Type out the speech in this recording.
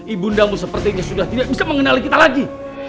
ibu bundamu sepertinya sudah tidak bisa mengenali kita lagi